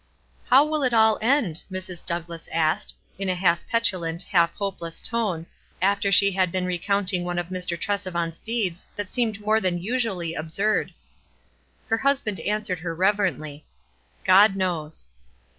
"Flow will it all end?" Mrs. Douglass asked, in a half petulant, half hopeless tone, after she had been recounting one of Mr. Tresevant's deeds that seemed more than usually absurd. Her husband answered her reverently :— "God knows."